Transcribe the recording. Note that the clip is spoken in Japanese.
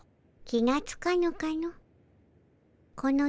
気がつかぬかの？